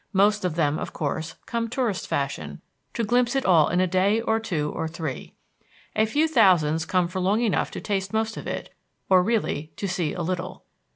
Most of them, of course, come tourist fashion, to glimpse it all in a day or two or three. A few thousands come for long enough to taste most of it, or really to see a little.